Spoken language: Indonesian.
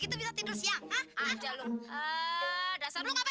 ini katanya masalah dayu nya